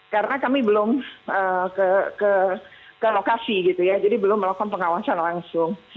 karena kami belum ke lokasi gitu ya jadi belum melakukan pengawasan langsung